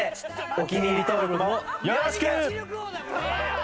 お気に入り登録もよろしく！